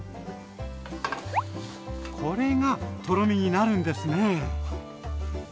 これがとろみになるんですね。